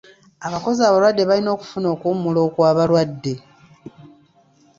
Abakozi abalwadde balina okufuna okuwummula okw'abalwadde.